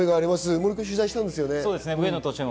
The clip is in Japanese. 森君が取材したんですよね。